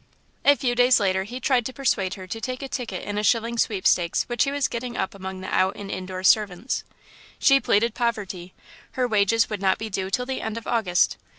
A few days later he tried to persuade her to take a ticket in a shilling sweepstakes which he was getting up among the out and the indoor servants. She pleaded poverty her wages would not be due till the end of August.